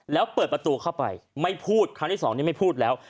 แล้วเปิดประตูเข้าไปไม่พูดครั้งที่สองนี่ไม่พูดแล้ว